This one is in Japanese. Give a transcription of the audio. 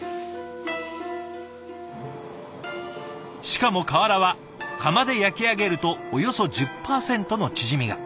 しかも瓦は窯で焼き上げるとおよそ１０％の縮みが。